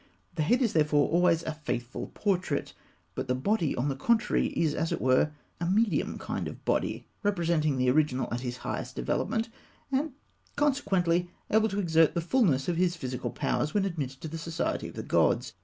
The head is therefore always a faithful portrait; but the body, on the contrary, is, as it were, a medium kind of body, representing the original at his highest development, and consequently able to exert the fulness of his physical powers when admitted to the society of the gods.